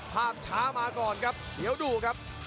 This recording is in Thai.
ภาพช้ามาก่อนครับเดี๋ยวดูครับ